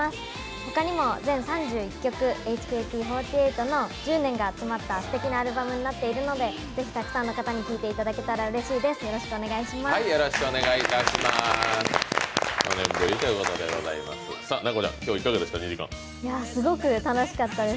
他にも全３１曲、ＨＫＴ４８の１０年が詰まったすてきなアルバムになっているのでぜひたくさんの方に聴いていただけたらうれしいです。